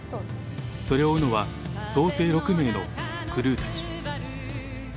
それを追うのは総勢６名のクルーたち。